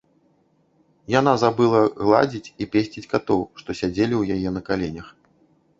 Яна забыла гладзіць і песціць катоў, што сядзелі ў яе на каленях.